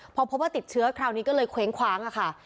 พอพบว่าติดเชื้อคราวนี้ก็เลยเคว้งคว้างค่ะ